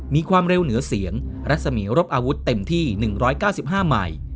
มีความเร็วเหนือเสียงรัศมีรบอาวุธเต็มที่หนึ่งร้อยเก้าสิบห้าหมาย